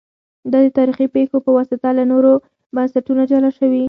دا د تاریخي پېښو په واسطه له نورو بنسټونو جلا شوي